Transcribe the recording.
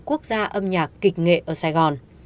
quốc gia âm nhạc kịch nghệ ở sài gòn